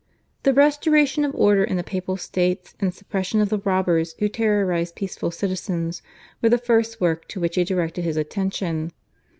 The restoration of order in the Papal States and the suppression of the robbers who terrorised peaceful citizens were the first work to which he directed his attention.